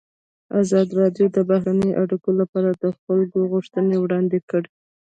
ازادي راډیو د بهرنۍ اړیکې لپاره د خلکو غوښتنې وړاندې کړي.